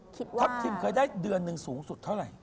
ทัพทิมเคยได้เดือนหนึ่งสูงสุดเท่าไหร่